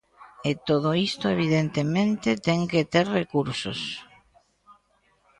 E todo isto, evidentemente, ten que ter recursos.